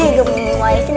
ibu mau kesini